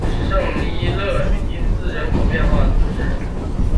圣伊勒皮兹人口变化图示